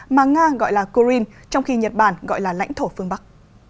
mà nga gọi là kurin trong khi nhật bản gọi là lãnh thổ phương bắc